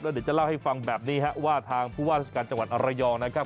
เดี๋ยวจะเล่าให้ฟังแบบนี้ฮะว่าทางผู้ว่าราชการจังหวัดระยองนะครับ